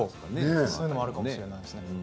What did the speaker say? そういうのもあるかもしれないですね。